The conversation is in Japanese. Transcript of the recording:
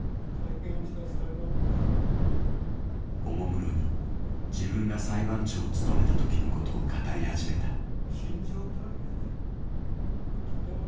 おもむろに自分が裁判長を務めたときのことを語り始めた。